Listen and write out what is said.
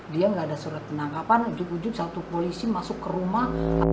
dia nggak ada surat penangkapan wujud ujug satu polisi masuk ke rumah